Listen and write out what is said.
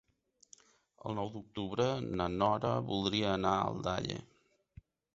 El nou d'octubre na Nora voldria anar a Aldaia.